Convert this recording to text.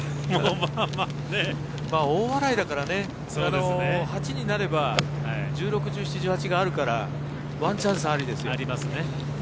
大洗だからね、８になれば１６、１７、１８があるからワンチャンスありですよ。